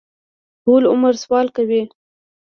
ټول عمر سوال کوي.